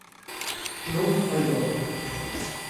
Ну, пойдем.